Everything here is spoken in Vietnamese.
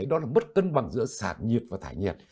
đó là bất cân bằng giữa sạt nhiệt và thải nhiệt